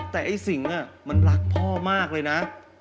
แต่ไอ้สิงมันรักพ่อมากเลยนะ